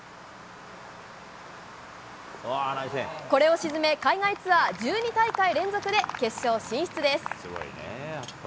これを沈め、海外ツアー１２大会連続で決勝進出です。